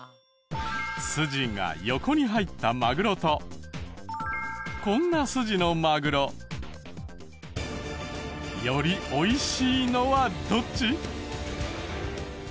スジが横に入ったマグロとこんなスジのマグロ。より美味しいのはどっち？